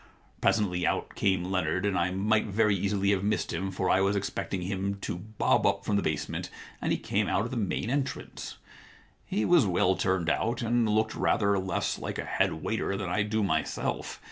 Presently out came Leonard, and I might very easily have missed him, for I was expecting him to bob up from the base ment, and he came out of the main entrance. He was well turned out, and looked rather less like a head waiter than I do myself.